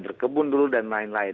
berkebun dulu dan lain lain